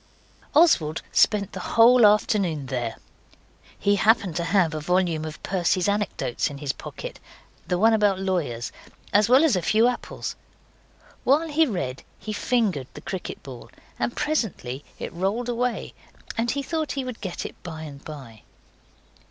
Oswald spent the whole afternoon there. He happened to have a volume of Percy's Anecdotes in his pocket, the one about lawyers, as well as a few apples. While he read he fingered the cricket ball, and presently it rolled away, and he thought he would get it by and by.